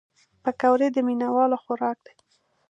پکورې د مینهوالو خوراک دی